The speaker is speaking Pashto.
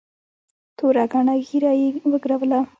توره گڼه ږيره يې وګروله.